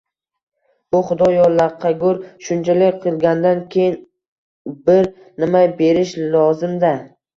Bu xudo yallaqagur shunchalik qilgandan keyin bir nima berish lozim-da